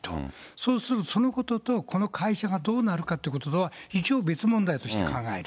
そうすると、そのこととこの会社がどうなるかってこととは一応別問題として考える。